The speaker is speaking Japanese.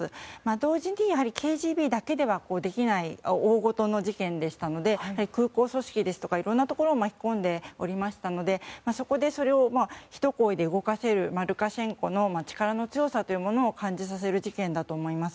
同時にＫＧＢだけではできないおおごとの事件でしたので空港組織ですとかいろんなところを巻き込んでおりましたのでそれをひと声で動かせるルカシェンコの力の強さを感じさせる事件だと思います。